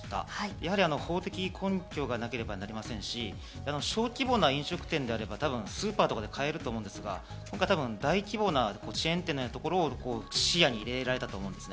やはり法的根拠がなければなりませんし、小規模な飲食店であれば、スーパーとかで買えると思うんですが、たぶん大規模なチェーン店とかを視野に入れられたと思います。